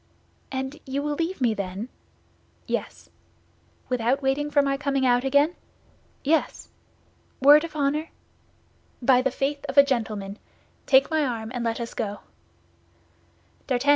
"And you will leave me then?" "Yes." "Without waiting for my coming out again?" "Yes." "Word of honor?" "By the faith of a gentleman. Take my arm, and let us go."